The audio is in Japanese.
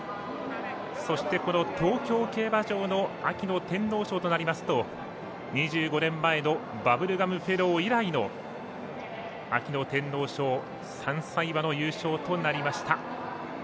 そして、東京競馬場の秋の天皇賞になりますと２５年前のバブルガムフェロー以来の秋の天皇賞３歳馬の優勝となりました。